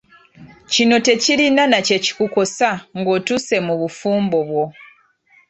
Kino tekirina nakyekikukosa ng'otuuse mu bufumbo bwo.